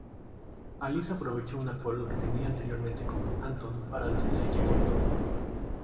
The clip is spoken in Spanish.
Alisa aprovecha un acuerdo que tenía anteriormente con Antón para decirle a Yegor todo.